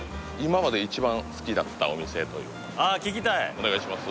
お願いします